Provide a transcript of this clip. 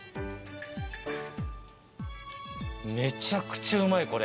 めちゃくちゃうまい、これ。